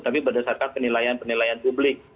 tapi berdasarkan penilaian penilaian publik